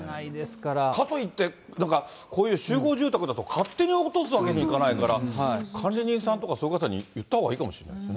かといって、こういう集合住宅だと、勝手に落とすわけにいかないから、管理人さんとか、そういう方に言ったほうがいいかもしれないですね。